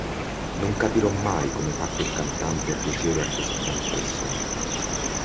Non capirò mai come fa quel cantante a piacere a così tante persone!